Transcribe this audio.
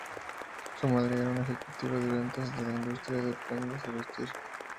Su madre era una ejecutiva de ventas de la industria de prendas de vestir.